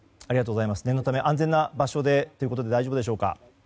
念のため安全な場所でということで大丈夫でしょうか？